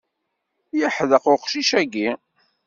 Yeḥdeq uqcic agi.